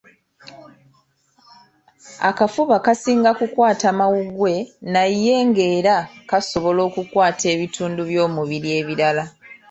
Akafuba kasinga kukwata mawuggwe naye ng'era kasobola okukwata ebitundu by'omubiri ebirala